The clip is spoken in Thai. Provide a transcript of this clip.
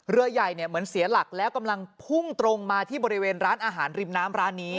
เรือใหญ่เนี่ยเหมือนเสียหลักแล้วกำลังพุ่งตรงมาที่บริเวณร้านอาหารริมน้ำร้านนี้